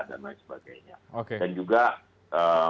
dan lain sebagainya oke jadi itu yang saya